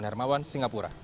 iwan hermawan singapura